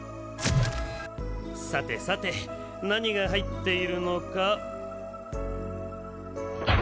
さてさてなにがはいっているのか。